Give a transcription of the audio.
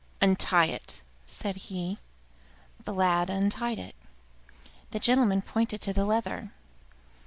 "Untie it," said he. The lad untied it. The gentleman pointed to the leather.